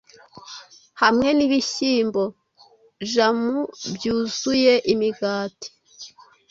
hamwe nibihyimbojamu byuzuye imigati